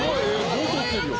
もうとってるよ。